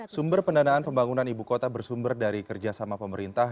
sumber pendanaan pembangunan ibu kota bersumber dari kerjasama pemerintah